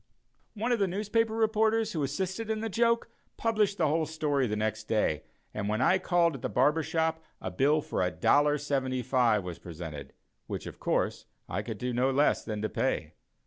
One of the newspaper reporters, who assisted in the joke, published the whole story the next day, and when I called at the barber shop a bill for $1.75 was presented, which, of course, I could do no less than to pay.